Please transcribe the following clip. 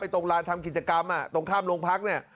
ตรงร้านทำกิจกรรมตรงข้ามโรงพักษณ์